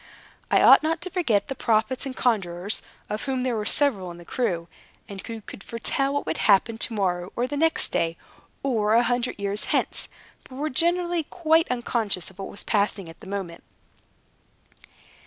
I ought not to forget the prophets and conjurors, of whom there were several in the crew, and who could foretell what would happen to morrow or the next day, or a hundred years hence, but were generally quite unconscious of what was passing at the moment.